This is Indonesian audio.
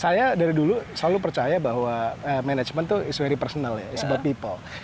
saya dari dulu selalu percaya bahwa management itu is very personal is about people